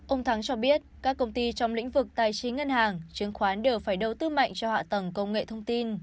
ông thắng cho biết các công ty trong lĩnh vực tài chính ngân hàng chứng khoán đều phải đầu tư mạnh cho hạ tầng công nghệ thông tin